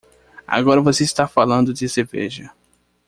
Agora você está falando de cerveja!